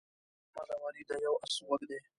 احمد او علي د یوه اس غوږ دي.